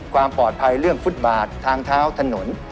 ความปลอดภัยเรื่องฟุตบาททางเท้าถนน